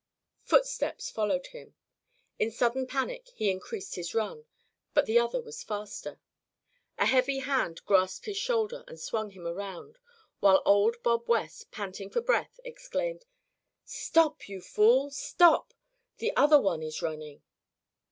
Footsteps followed him. In sudden panic he increased his run; but the other was faster. A heavy hand grasped his shoulder and swung him around, while old Bob West, panting for Breath, exclaimed: "Stop, you fool stop! The other one is running."